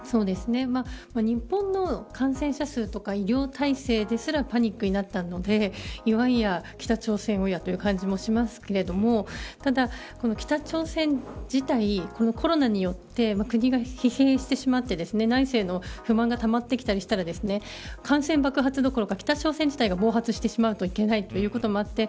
日本の感染者数や医療体制ですらパニックになったので北朝鮮もという感じもしますけれども北朝鮮自体コロナによって国が疲弊してしまって内政不満がたまってきたりすると感染爆発どころか北朝鮮自体が暴発してしまうといけないということもあって